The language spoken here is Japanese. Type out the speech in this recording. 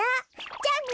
じゃあね。